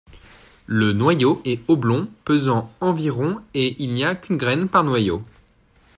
Le noyau est oblong pesant environ et il n’y a qu’une graine par noyau.